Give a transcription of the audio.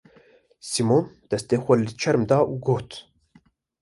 Sîmon destê xwe di çerm da û got: